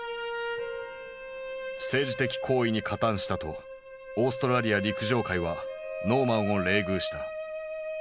政治的行為に加担したとオーストラリア陸上界はノーマンを冷遇した。